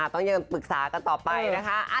ต้องยังปรึกษากันต่อไปนะคะ